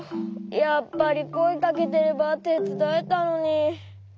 やっぱりこえかけてればてつだえたのに。